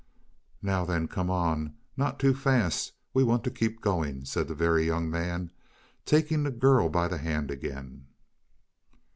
"Now, then, come on not too fast, we want to keep going," said the Very Young Man, taking the girl by the hand again.